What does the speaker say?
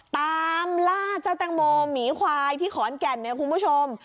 ตามล่าเจ้าแตงโมหมีควายที่ขอนแก่นเนี่ยคุณผู้ชม